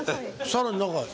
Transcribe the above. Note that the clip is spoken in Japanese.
さらに中へ？